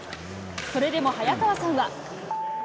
それでも早川さんは。